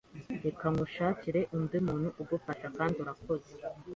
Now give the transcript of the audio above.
reka ngushakire undi muntu ugufasha kandi urakoze